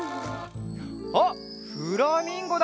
あっフラミンゴだ！